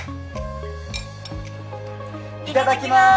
いただきます！